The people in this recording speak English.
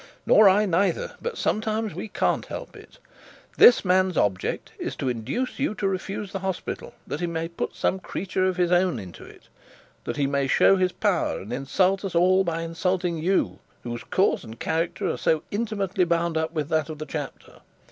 'Nor I neither but sometimes we can't help it. This man's object is to induce you to refuse the hospital, that he may put some creature of his own into it; that he may show his power, and insult us all by insulting you, whose cause and character are so intimately bound up with that of the chapter.